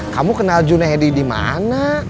kamu kenal junedi di mana